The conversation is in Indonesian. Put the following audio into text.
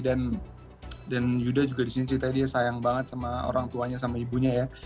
dan yudha juga disini cerita dia sayang banget sama orang tuanya sama ibunya ya